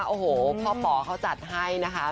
โอ้โหพ่อป๋อเขาจัดให้นะคะ